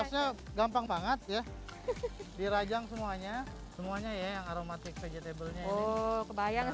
sausnya gampang banget ya dirajang semuanya semuanya ya yang aromatik vegetablenya oh kebayang